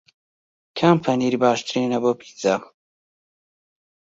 کام پەنیر باشترینە بۆ پیتزا؟